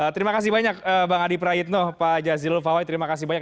terima kasih banyak bang adi prayitno pak jazilul fawai terima kasih banyak